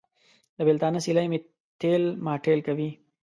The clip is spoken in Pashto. د بېلتانه سیلۍ مې تېل ماټېل کوي.